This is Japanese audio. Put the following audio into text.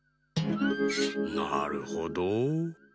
なるほど。